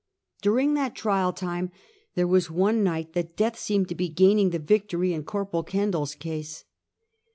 During that trial time there was one night that death seemed to be gaining the victory in Corporal Kendall's case.